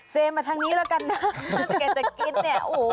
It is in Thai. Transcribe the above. เซมาทางนี้แล้วกันนะถ้าเกิดจะกินเนี่ย